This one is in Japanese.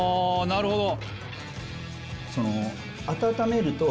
なるほど。